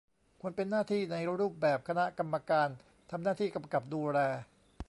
ควรเป็นหน้าที่ในรูปแบบคณะกรรมการ ทำหน้าที่กำกับดูแล